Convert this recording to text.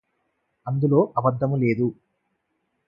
అందులో అబద్ధము లేదు